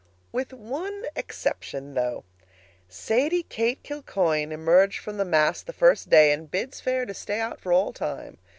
With one exception, though. Sadie Kate Kilcoyne emerged from the mass the first day, and bids fair to stay out for all time.